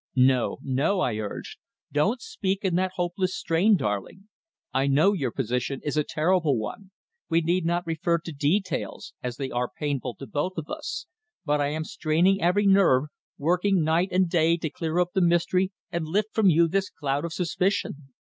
"No, no!" I urged. "Don't speak in that hopeless strain, darling. I know your position is a terrible one. We need not refer to details; as they are painful to both of us. But I am straining every nerve working night and day to clear up the mystery and lift from you this cloud of suspicion.